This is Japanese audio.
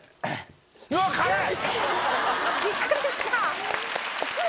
びっくりした。